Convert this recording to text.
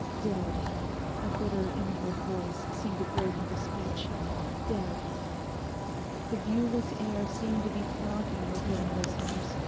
'Dead!' a bitter inward voice seemed to break into speech; 'Dead!' The viewless air seemed to be flocking with hidden listeners.